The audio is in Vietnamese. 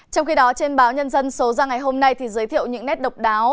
trong khi đó trên báo nhân dân số ra ngày hôm nay giới thiệu những nét độc đáo